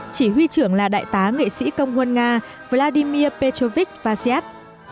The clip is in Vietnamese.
chỉ huy trưởng là đại tá nghệ sĩ công nguồn nga vladimir petrovich vasilyev